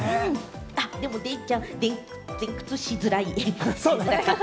でもデイちゃん、前屈しづらい。